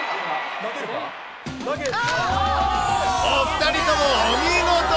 お２人ともお見事！